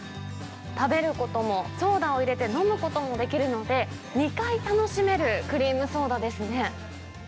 食べることも、ソーダを入れて飲むこともできるので、２回楽しめるクリームソーダですね。